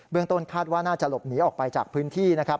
ต้นคาดว่าน่าจะหลบหนีออกไปจากพื้นที่นะครับ